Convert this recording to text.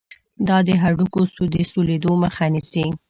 دا د هډوکو د سولیدلو مخه نیسي.